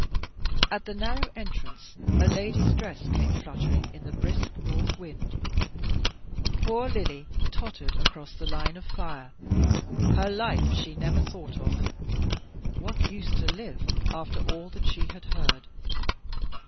At the narrow entrance a lady's dress came fluttering in the brisk north wind. Poor Lily tottered across the line of fire, her life she never thought of; what use to live after all that she had heard?